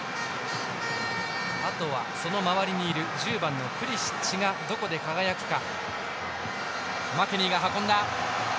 あとはその周りにいる１０番のプリシッチがどこで輝くか。